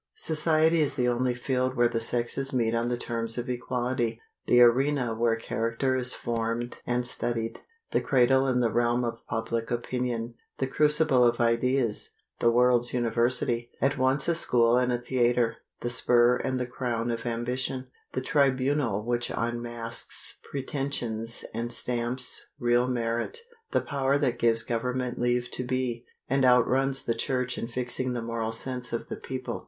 Society is the only field where the sexes meet on the terms of equality, the arena where character is formed and studied, the cradle and the realm of public opinion, the crucible of ideas, the world's university, at once a school and a theater, the spur and the crown of ambition, the tribunal which unmasks pretensions and stamps real merit, the power that gives government leave to be, and outruns the Church in fixing the moral sense of the people.